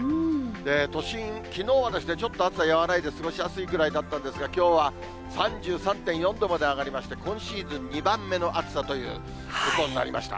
都心、きのうはちょっと暑さ、和らいで過ごしやすいくらいだったんですが、きょうは３３．４度まで上がりまして、今シーズン２番目の暑さということになりました。